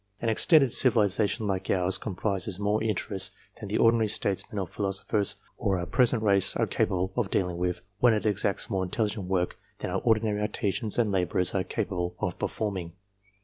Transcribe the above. An extended civilization like ours comprises more interests than the ordinary statesmen or philosophers of our present race are capable of dealing with, and it exacts more intelligent work than our ordinary artisans and labourers are capable of performing.